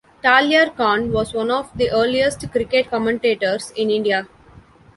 Talyarkhan was one of the earliest cricket commentators in India.